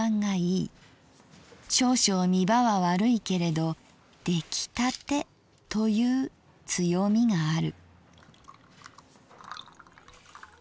少々見場は悪いけれど出来たてという強みがある」。